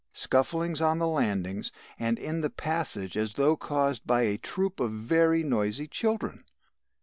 Scufflings on the landings, and in the passage as though caused by a troop of very noisy children.